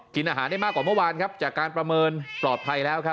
กินอาหารได้มากกว่าเมื่อวานครับจากการประเมินปลอดภัยแล้วครับ